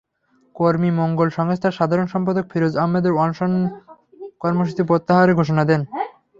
কর্মী মঙ্গল সংস্থার সাধারণ সম্পাদক ফিরোজ আহমেদ অনশন কর্মসূচি প্রত্যাহারের ঘোষণা দেন।